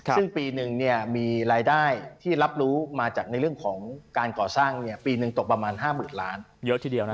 ซึ่งปีนึงมีรายได้ที่รับรู้มาจากในเรื่องของการก่อสร้างปีนึงตกประมาณ๕๐๐๐๐๐๐๐๐๐๐บาท